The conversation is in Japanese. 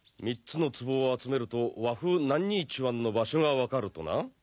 ３つの壺を集めると和風男溺泉の場所が分かるとな？